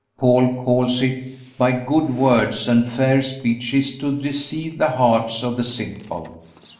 Paul calls it "by good words and fair speeches to deceive the hearts of the simple."